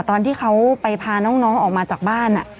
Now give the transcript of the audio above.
ตอนที่เขาไปพาน้องออกมาจากบ้าน